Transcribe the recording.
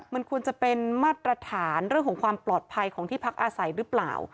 มันควรจะเป็นมาตรฐานเรื่องของความปลอดภัยของที่พักอาศัยหรือเปล่า